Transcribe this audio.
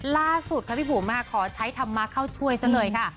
ล่าสุดค่ะพี่บุ๋มขอใช้ธรรมะเข้าช่วยซะเลยค่ะ